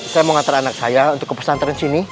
saya mau ngantar anak saya untuk ke pesantren sini